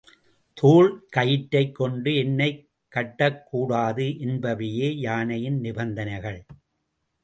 தோல் கயிற்றைக்கொண்டு என்னைக் கட்டக்கூடாது என்பவையே யானையின் நிபந்தனைகள்.